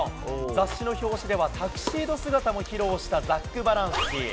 雑誌の表紙ではタキシード姿も披露したザックバランスキー。